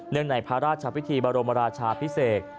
เนื่องในพระราชชาพิธีบารมราชาพิเศษ